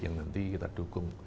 yang nanti kita dukung